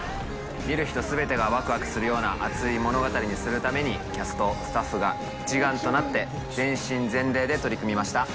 見る人全てがワクワクするような熱い物語にするためにキャストスタッフが一丸となって全身全霊で取り組みました。